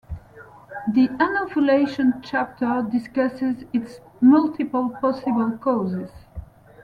The anovulation chapter discusses its multiple possible causes.